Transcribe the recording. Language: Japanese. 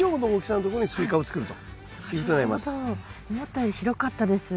思ったより広かったです。